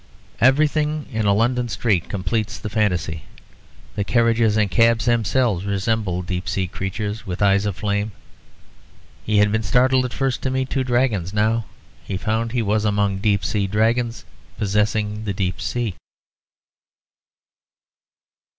Everything in a London street completes the fantasy; the carriages and cabs themselves resemble deep sea creatures with eyes of flame. He had been startled at first to meet two dragons. Now he found he was among deep sea dragons possessing the deep sea.